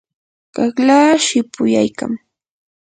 qaqlaa shipuyaykam.